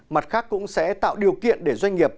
mặt khác cũng sẽ tạo điều kiện để doanh nghiệp